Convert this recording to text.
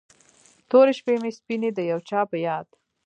تورې شپې مې سپینې د یو چا په یاد